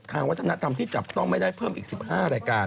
ทางวัฒนธรรมที่จับต้องไม่ได้เพิ่มอีก๑๕รายการ